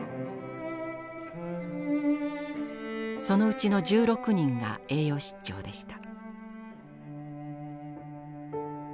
そのうちの１６人が栄養失調でした。